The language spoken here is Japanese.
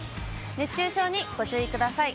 熱中症にご注意ください。